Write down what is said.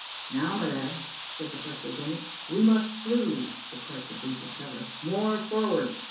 "Now, my lads," said the first lieutenant, "we must slue (the part the breeches cover) more forward."